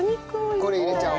これ入れちゃおう。